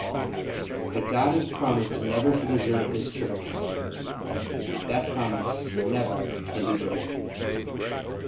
But God has promised never to desert His Church. That promise never can be broken.